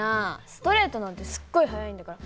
ストレートなんてすっごい速いんだから。